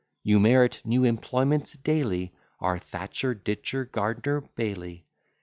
You merit new employments daily: Our thatcher, ditcher, gardener, baily.